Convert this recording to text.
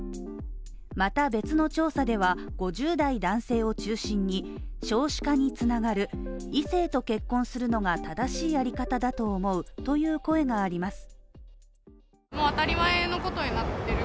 また、別の調査では５０代男性を中心に少子化につながる、異性と結婚するのが正しい在り方だと思うという声があります。